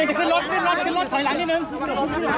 ถอยหลังนิดหนึ่งจะขึ้นรถขึ้นรถขึ้นรถถอยหลังนิดหนึ่ง